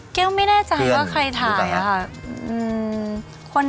แก้วไม่แน่ใจว่าใครถ่ายค่ะ